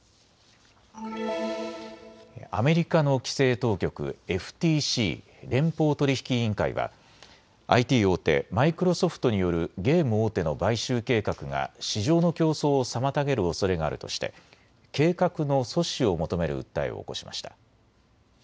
アメリカの規制当局、ＦＴＣ・連邦取引委員会はＩＴ大手、マイクロソフトによるゲーム大手の買収計画が市場の競争を妨げるおそれがあるとして計画の阻止を求める訴えを起こしました。